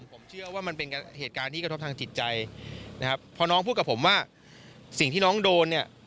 ผมเชื่อว่ามันเป็นเหตุการณ์ที่กระทบทางจิตใจนะครับพอน้องพูดกับผมว่าสิ่งที่น้องโดนเนี่ย